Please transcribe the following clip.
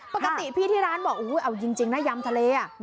ปกติพี่ที่ร้านบอกเอาจริงนะยำทะเล